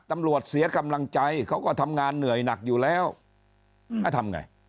ตำรวจเสียกำลังใจเขาก็ทำงานเหนื่อยหนักอยู่แล้วแล้วทำไง